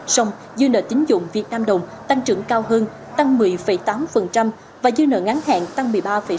xong dư nợ tín dụng vnđ tăng trưởng cao hơn tăng một mươi tám và dư nợ ngắn hạn tăng một mươi ba sáu